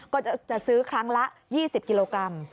ก็จะซื้อครั้งละ๒๐กิโลกรัม